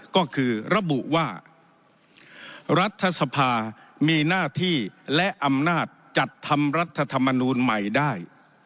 ก็คือระบุว่ารัฐสภามีหน้าที่และอำนาจจัดทำรัฐธรรมนูลใหม่ได้